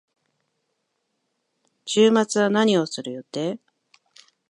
週末は何をする予定？